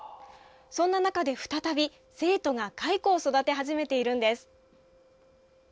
そんな中で再び生徒が蚕を育て始めているんです。